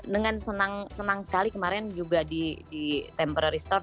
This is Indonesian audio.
dengan senang senang sekali kemarin juga di temporary store